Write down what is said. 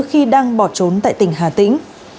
khi đang bỏ trốn tại tỉnh hà tĩnh